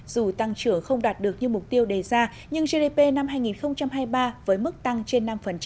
dù tăng trưởng không đạt được như mục tiêu đề ra nhưng gdp năm hai nghìn hai mươi ba với mức tăng trên năm